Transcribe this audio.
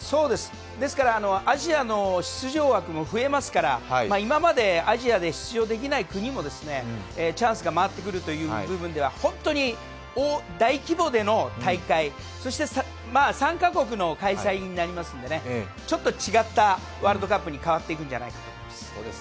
ですからアジアの出場枠も増えますから、今までアジアで出場できない国もチャンスが回ってくるという部分では本当に大規模での大会、そして参加国の開催になりますので、ちょっと違ったワールドカップに変わっていくのではないかと思います。